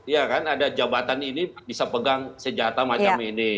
ya kan ada jabatan ini bisa pegang senjata macam ini